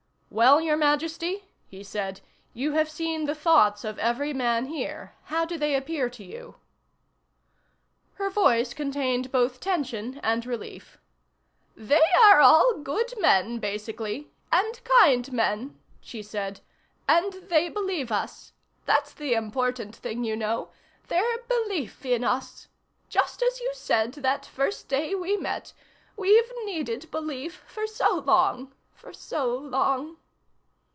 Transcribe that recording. "Well, Your Majesty?" he said. "You have seen the thoughts of every man here. How do they appear to you?" Her voice contained both tension and relief. "They are all good men, basically and kind men," she said. "And they believe us. That's the important thing, you know. Their belief in us.... Just as you said that first day we met. We've needed belief for so long ... for so long...."